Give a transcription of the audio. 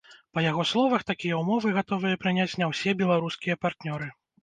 Па яго словах, такія ўмовы гатовыя прыняць не ўсе беларускія партнёры.